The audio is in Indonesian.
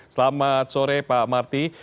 selamat sore pak marty